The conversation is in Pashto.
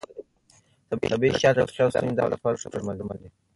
طبیعي شات د ټوخي او ستوني درد لپاره تر ټولو ښه درمل دي.